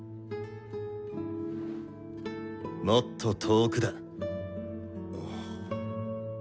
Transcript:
もっと遠くだ。